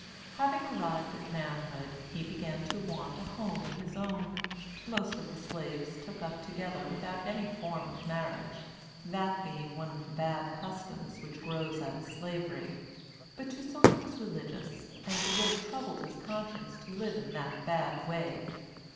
Having arrived at manhood, he began to want a home of his own. Most of the slaves took up together without any form of marriage, that being one of the bad customs which grows out of Slavery. But Toussaint was religious, and it would have troubled his conscience to live in that bad way.